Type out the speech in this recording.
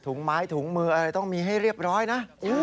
ไม้ถุงมืออะไรต้องมีให้เรียบร้อยนะ